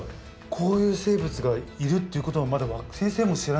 こういう生物がいるっていうことは先生も知らなかったわけですね。